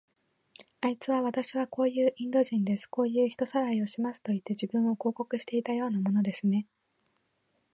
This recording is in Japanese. あいつは、わたしはこういうインド人です。こういう人さらいをしますといって、自分を広告していたようなものですね。